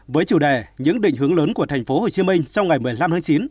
với chủ đề những định hướng lớn của tp hcm sau ngày một mươi năm tháng chín